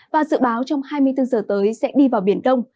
và dự báo trong hai mươi bốn giờ tới sẽ đi vào biển đông